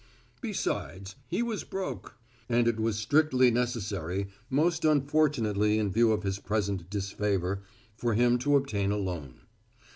Besides, he was broke, and it was strictly necessary, most unfortunately in view of his present disfavor, for him to obtain a loan.